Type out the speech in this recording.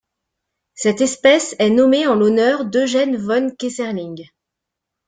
Cette espèce est nommée en l'honneur d'Eugen von Keyserling.